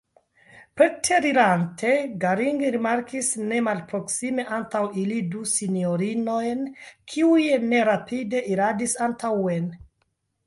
Preterirante, Gering rimarkis ne malproksime antaŭ ili du sinjorinojn, kiuj nerapide iradis antaŭen.